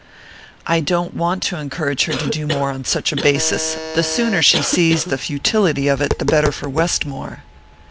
"I don't want to encourage her to do more on such a basis the sooner she sees the futility of it the better for Westmore!"